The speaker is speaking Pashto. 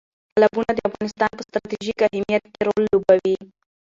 تالابونه د افغانستان په ستراتیژیک اهمیت کې رول لوبوي.